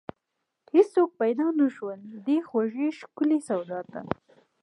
هیڅوک پیدا نشول، دې خوږې ښکلې سودا ته